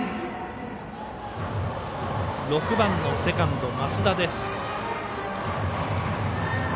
６番のセカンド、増田です。